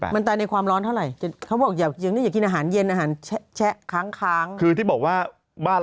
มาได้ความร้อนเท่าไหร่เพราะว่าเย็นอาหารเช็ะค้างค้างคือด้วยบอกว่าบ้าน